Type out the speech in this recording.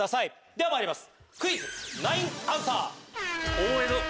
ではまいります！